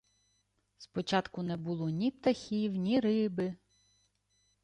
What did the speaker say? Спочатку не було, ні птахів, ні риби.